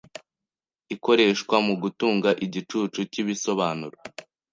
ikoreshwa mugutanga igicucu cyibisobanuro